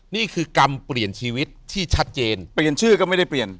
นี่คือกรรมเปลี่ยนชีวิตที่ชัดเจนเปลี่ยนชื่อก็ไม่ได้เปลี่ยน